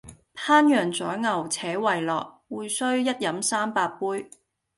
烹羊宰牛且為樂，會須一飲三百杯